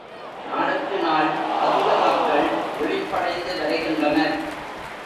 நாளுக்கு நாள் அதிக மக்கள் விழிப்படைந்து வருகின்றனர்.